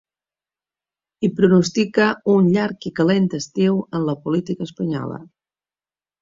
I pronostica ‘un llarg i calent estiu en la política espanyola’.